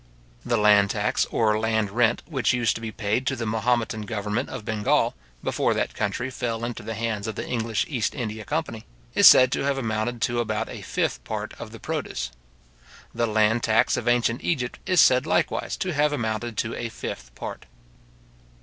The land tax or land rent which used to be paid to the Mahometan government of Bengal, before that country fell into the hands of the English East India company, is said to have amounted to about a fifth part of the produce. The land tax of ancient Egypt is said likewise to have amounted to a fifth part.